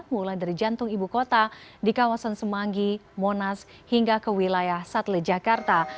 mulai dari jantung ibu kota di kawasan semanggi monas hingga ke wilayah satelit jakarta